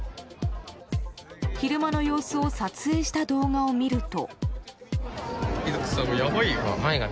昼間の様子を撮影した動画を見ると。